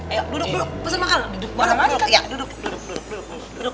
ayo duduk duduk pesen makanan duduk duduk